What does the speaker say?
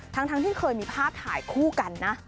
ทั้งที่เคยมีภาพถ่ายคู่กันนะ